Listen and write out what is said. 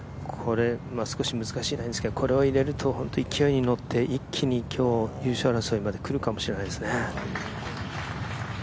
少し難しいんですけど、これを入れると一気に乗りに乗って優勝争いまでくるかもしれないですね。